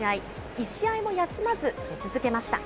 １試合も休まず出続けました。